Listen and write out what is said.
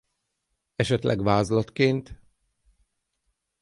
Esetleg vázlatként?